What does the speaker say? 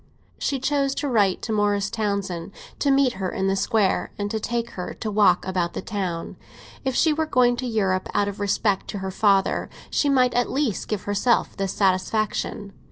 She chose to write to Morris Townsend to meet her in the Square and take her to walk about the town. If she were going to Europe out of respect to her father, she might at least give herself this satisfaction.